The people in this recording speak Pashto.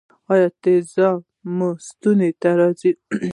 ایا تیزاب مو ستوني ته راځي؟